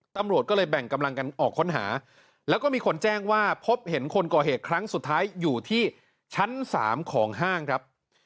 ตำรวจก็เลยแบ่งกำลังกันออกค้นหาแล้วก็มีคนแจ้งว่าพบเห็นคนก่อเหตุครั้งสุดท้ายอยู่ที่ชั้น๓ของห้างครับ